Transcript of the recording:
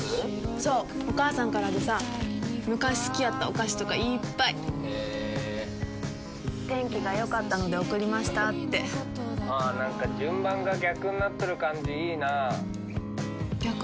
そうお母さんからでさ昔好きやったお菓子とかいっぱいへえ「天気がよかったので贈りました」ってあなんか順番が逆になっとる感じいいな逆？